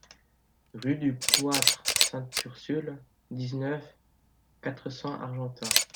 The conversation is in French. Rue du Cloître Sainte-Ursule, dix-neuf, quatre cents Argentat